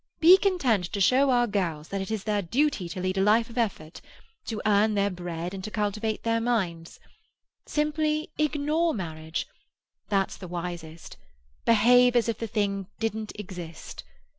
Be content to show our girls that it is their duty to lead a life of effort—to earn their bread and to cultivate their minds. Simply ignore marriage—that's the wisest. Behave as if the thing didn't exist.